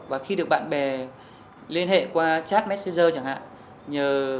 và khi được bạn bè liên hệ qua chat messenger chẳng hạn